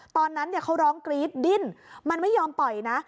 ตอนนั้นเขาร้องกรี๊ดดิ้นมันไม่ยอมปล่อยนะ